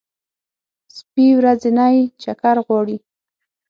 سپي ورځنی چکر غواړي.